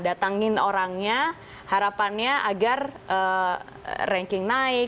datangin orangnya harapannya agar ranking naik